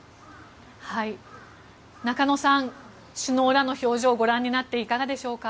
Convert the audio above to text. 中野さん、首脳らの表情をご覧になっていかがですか？